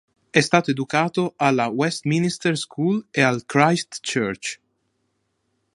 È stato educato alla Westminster School e al Christ Church.